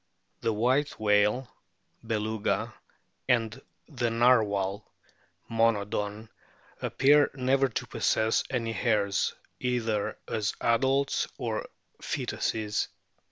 The White whale, Beluga, and the Narwhal, Monodon, appear never to possess any hairs, either as adults or foetuses.